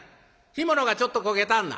干物がちょっと焦げてはんな。